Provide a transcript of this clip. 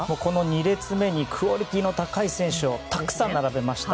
２列目にクオリティーの高い選手をたくさん並べました。